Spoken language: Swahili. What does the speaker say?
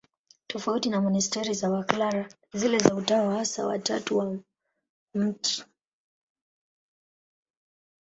Tofauti na monasteri za Waklara, zile za Utawa Hasa wa Tatu wa Mt.